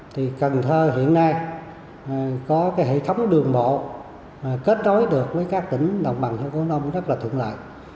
thì cần thơ hiện nay có hệ thống đường bộ kết nối được với các tỉnh đồng bằng sông củ long rất là thượng lạ